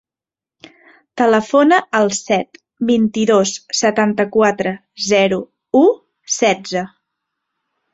Telefona al set, vint-i-dos, setanta-quatre, zero, u, setze.